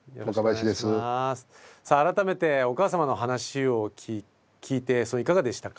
さあ改めてお母様の話を聞いていかがでしたか？